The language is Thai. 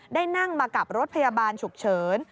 ได้นั่งมากับรถพยาบาลฉุกเฉิน